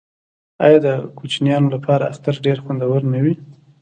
آیا د کوچنیانو لپاره اختر ډیر خوندور نه وي؟